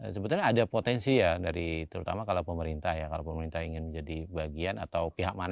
sebetulnya ada potensi ya terutama kalau pemerintah ingin menjadi bagian atau pihak mangrove